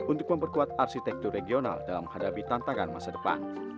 untuk memperkuat arsitektur regional dalam menghadapi tantangan masa depan